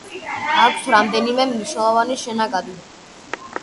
აქვს რამდენიმე მნიშვნელოვანი შენაკადი.